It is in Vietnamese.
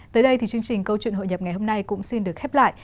tới đây thì chương trình câu chuyện hội nhập ngày hôm nay cũng xin được khép lại